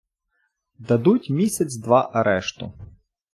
Дадуть місяць-два арешту.